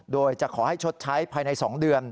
โดยจะขอให้ชดใช้ภายใน๒เดือน